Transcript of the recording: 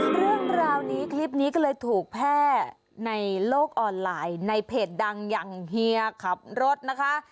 เรื่องราวนี้คลิปนี้ก็เลยถูกแพร่ในโลกออนไลน์ในเพจดังอย่างเฮียขับรถนะคะ